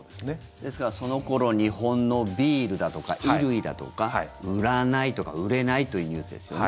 ですから、その頃日本のビールだとか、衣類だとか売らないとか売れないというニュースですよね。